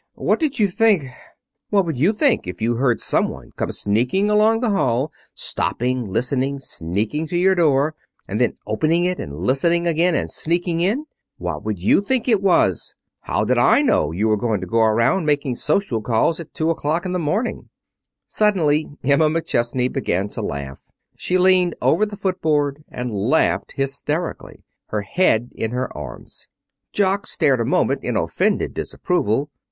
"What did you think " "What would you think if you heard some one come sneaking along the hall, stopping, listening, sneaking to your door, and then opening it, and listening again, and sneaking in? What would you think it was? How did I know you were going around making social calls at two o'clock in the morning!" Suddenly Emma McChesney began to laugh. She leaned over the footboard and laughed hysterically, her head in her arms. Jock stared a moment in offended disapproval.